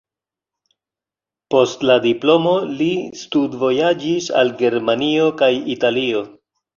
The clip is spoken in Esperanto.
Post la diplomo li studvojaĝis al Germanio kaj Italio.